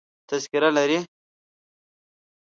تذکره لرې؟